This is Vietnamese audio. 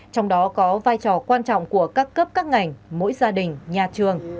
trong đó có vai trò quan trọng của các cấp các ngành mỗi gia đình nhà trường